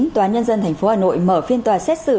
tòa nhân dân tp hà nội mở phiên tòa xét xử